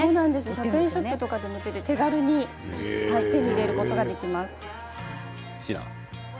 １００円ショップなどで手軽に手に入れることができます。